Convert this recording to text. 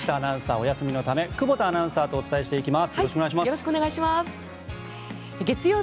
お休みのため久保田アナウンサーとお伝えしていきます。